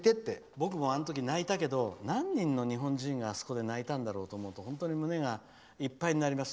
僕もあの時、泣いたけど何人の日本人があの時泣いただろうと思うと本当に胸がいっぱいになります。